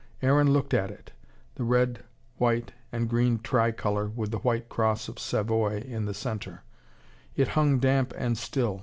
Aaron looked at it the red, white and green tricolour, with the white cross of Savoy in the centre. It hung damp and still.